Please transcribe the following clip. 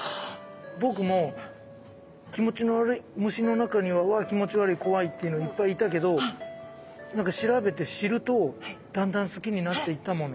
僕も気持ちの悪い虫の中にはうわ気持ち悪い怖いっていうのいっぱいいたけど何か調べて知るとだんだん好きになっていったもの。